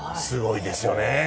すごいですよね。